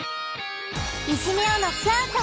「いじめをノックアウト」